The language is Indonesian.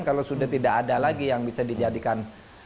kalau sudah tidak ada lagi yang bisa dijadikan